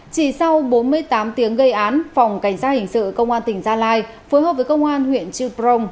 chỉ sau bốn mươi tám tiếng gây án phòng cảnh sát hình sự công an tỉnh gia lai phối hợp với công an huyện chư prong